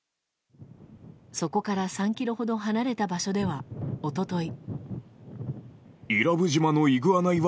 そこから３ｋｍほど離れた場所では、一昨日。